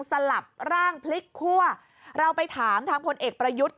สลับร่างพลิกคั่วเราไปถามทางพลเอกประยุทธ์